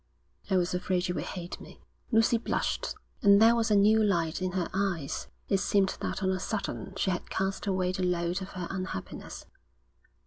I was afraid you would hate me.' Lucy blushed, and there was a new light in her eyes. It seemed that on a sudden she had cast away the load of her unhappiness.